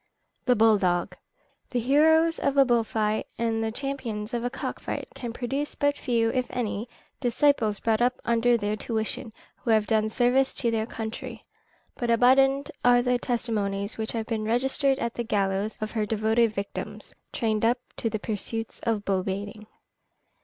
] THE BULL DOG. "The heroes of a bull fight, and the champions of a cock fight, can produce but few, if any, disciples brought up under their tuition, who have done service to their country, but abundant are the testimonies which have been registered at the gallows of her devoted victims, trained up to the pursuits of bull baiting."